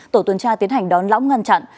tổ tuần tra tiến hành đón lõng ngăn chặn